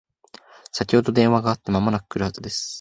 先ほど電話があって間もなく来るはずです